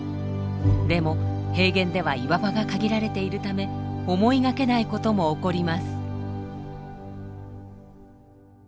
でも平原では岩場が限られているため思いがけないことも起こります。